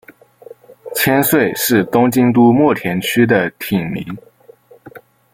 千岁是东京都墨田区的町名。